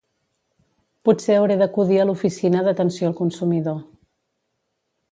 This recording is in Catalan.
Potser hauré d'acudir a l'oficina d'atenció al consumidor